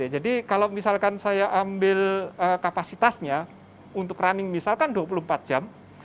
jadi kalau misalkan saya ambil kapasitasnya untuk running misalkan dua puluh empat jam